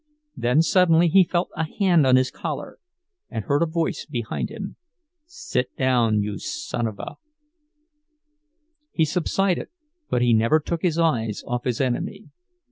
Then suddenly he felt a hand on his collar, and heard a voice behind him: "Sit down, you son of a—!" He subsided, but he never took his eyes off his enemy.